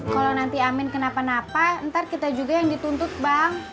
kalau nanti amin kenapa napa ntar kita juga yang dituntut bang